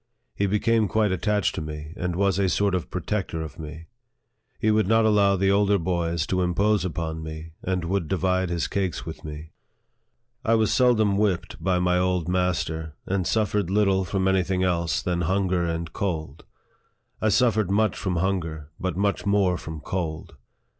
He be came quite attached to me, and was a sort of protector of me. He would not allow the older boys to impose upon me, and would divide his cakes with me. I was seldom whipped by my old master, and suf fered little from any thing else than hunger and cold. I suffered much from hunger, but much more from cold.